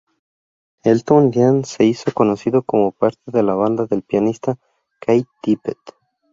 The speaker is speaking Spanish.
Elton Dean se hizo conocido como parte de la banda del pianista Keith Tippett.